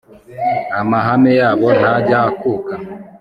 amahame yabo ntajya akuka